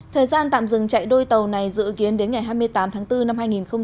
thời gian tạm dừng chạy đôi tàu này dự kiến đến ngày hai mươi tám tháng bốn năm hai nghìn hai mươi